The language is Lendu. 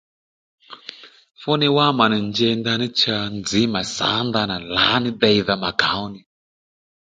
Fúddiy wá mà nì njěy ndaní cha nzǐ mà sǎ ndanà lǎní deydha mà kàó nì